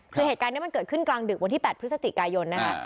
คือเหตุการณ์นี้มันเกิดขึ้นกลางดึกวันที่๘พฤศจิกายนนะคะ